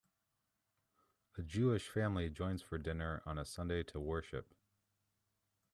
A Jewish family joins for dinner on a sunday to worship.